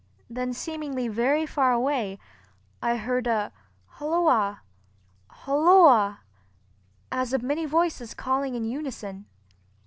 Then seemingly very far away, I heard a "Holloa! holloa!" as of many voices calling in unison.